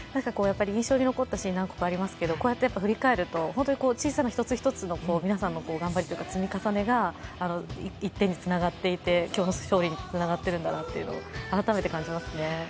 印象に残ったシーンが何個かありますけど、こうやって振り返ると、小さな一つ一つの皆さんの頑張りの積み重ねが１点につながっていて、今日の勝利につながっていたんだということを改めて感じますね。